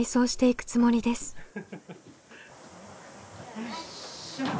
よいしょ。